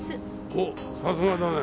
おっさすがだね。